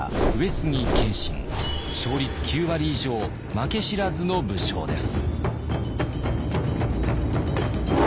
勝率９割以上負け知らずの武将です。